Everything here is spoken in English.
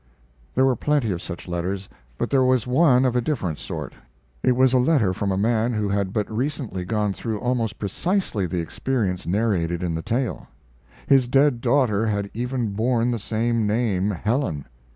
There were plenty of such letters; but there was one of a different sort. It was a letter from a man who had but recently gone through almost precisely the experience narrated in the tale. His dead daughter had even borne the same name Helen.